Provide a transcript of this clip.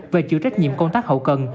và chịu trách nhiệm công tác hậu cần